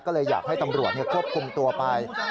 ก็เลยอยากให้ตำรวจควบคุมตัวไป